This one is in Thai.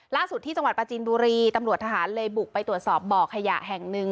ล่าสุดที่จังหวัดประจีนบุรีตำรวจทหารเลยบุกไปตรวจสอบบ่อขยะแห่งหนึ่ง